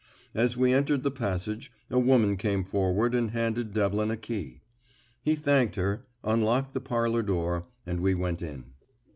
As we entered the passage a woman came forward and handed Devlin a key. He thanked her, unlocked the parlour door, and we went in.